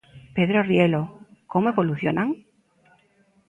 Pedro Rielo, como evolucionan?